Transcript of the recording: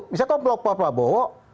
misalkan kelompok pak prabowo